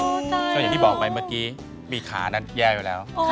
อ๋อตายแล้วอย่างที่บอกไหมเมื่อกี้ปีขานั่นแย่อยู่แล้ว